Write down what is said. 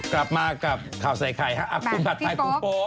กลับมากับข่าวใส่ใครครับคุณผัดทายคุณโป๊บ